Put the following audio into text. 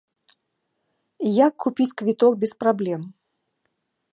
Як купіць квіток без праблем?